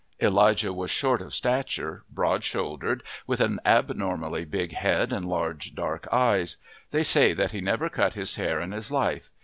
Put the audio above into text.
Elijah was short of stature, broad shouldered, with an abnormally big head and large dark eyes. They say that he never cut his hair in his life.